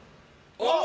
「あっ！